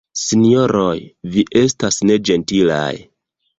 Sinjoroj, vi estas neĝentilaj.